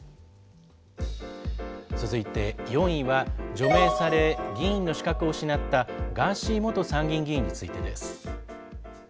続いて４位は、除名され議員の資格を失ったガーシー元参議院議員についてです。